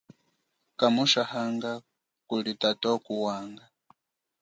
Kamushahanga kuli tatowo ku wanga.